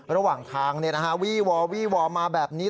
ระหว่างทางวี่วอวี่วอมาแบบนี้